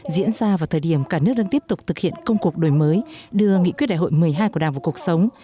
diễn ra vào thời điểm cả nước đang tiếp tục thực hiện công cuộc đổi mới đưa nghị quyết đại hội một mươi hai của đảng vào cuộc sống